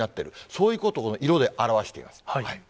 そういうことを色で表しています。